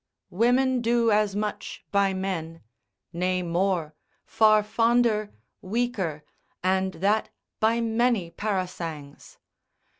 Women do as much by men; nay more, far fonder, weaker, and that by many parasangs.